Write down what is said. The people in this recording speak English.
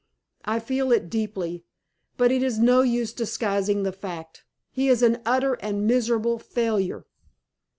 I feel it deeply; but it is no use disguising the fact. He is an utter and miserable failure."